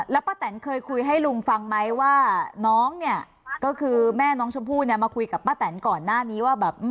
แล้วป้าแตนเคยคุยให้ลุงฟังไหมว่าน้องเนี่ยก็คือแม่น้องชมพู่เนี่ยมาคุยกับป้าแตนก่อนหน้านี้ว่าแบบ